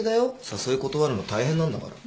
誘い断るの大変なんだから。